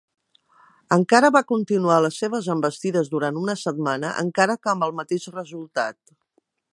Encara va continuar les seves envestides durant una setmana, encara que amb el mateix resultat.